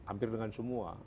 hampir dengan semua